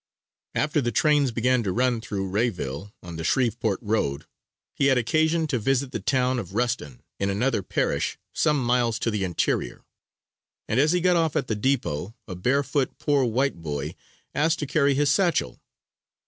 After the trains began to run through Rayville, on the Shreveport road, he had occasion to visit the town of Ruston, in another parish some miles in the interior, and as he got off at the depot, a barefoot, poor white boy asked to carry his satchel.